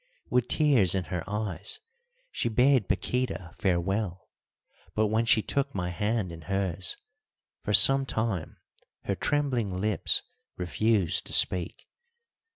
With tears in her eyes she bade Paquíta farewell, but when she took my hand in hers, for some time her trembling lips refused to speak.